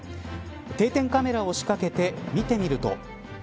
定点カメラを仕掛けて見てみると。